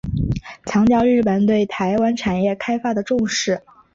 强调日本对台湾产业开发的重视。